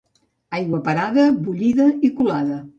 Aigua parada, bullida i colada.